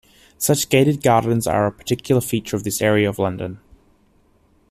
Such gated gardens are a particular feature of this area of London.